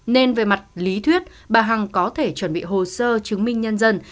nên về mặt lý thuyết bà hằng có thể chuẩn bị hồ sơ chứng minh nhân dân